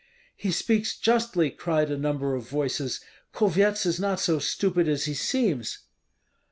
"He speaks justly," cried a number of voices; "Kulvyets is not so stupid as he seems."